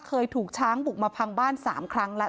เคยถูกช้างบุกมาพังบ้าน๓ครั้งแล้ว